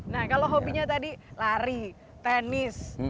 nah kalau hobinya tadi lari tenis